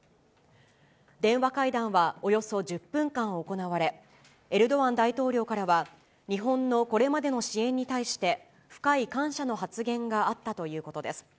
電話会談はおよそ１０分間行われ、エルドアン大統領からは日本のこれまでの支援に対して、深い感謝の発言があったということです。